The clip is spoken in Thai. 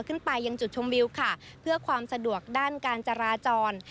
ขึ้นไปยังจุดชมวิวค่ะเพื่อความสะดวกด้านการจราจร